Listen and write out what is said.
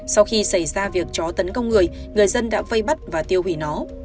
sau khi xảy ra việc chó tấn công người người dân đã vây bắt và tiêu hủy nó